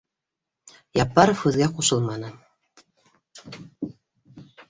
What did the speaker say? Яппаров һүҙгә ҡушылманы